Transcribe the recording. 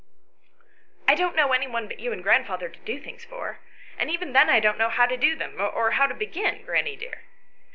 " I don't know any one but you and grandfather to do things for, and even then I don't know how to do them, or how to begin, granny dear."